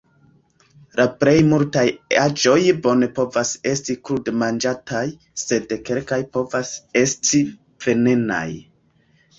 La plej multaj aĵoj bone povas esti krude manĝataj, sed kelkaj povas esti venenaj.